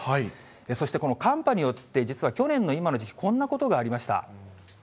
そしてこの寒波によって、実は去年の今の時期、こんなことがありました。